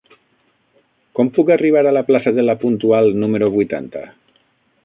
Com puc arribar a la plaça de La Puntual número vuitanta?